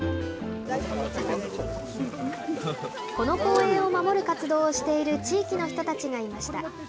この公園を守る活動をしている地域の人たちがいました。